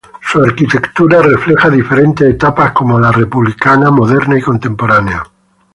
Su arquitectura refleja diferentes etapas como la republicana, moderna y contemporánea.